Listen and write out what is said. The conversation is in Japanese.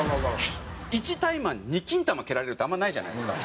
１タイマン２キンタマ蹴られるってあんまりないじゃないですか。